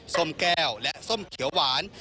ส้มแก้วและส้มเขียวหวาน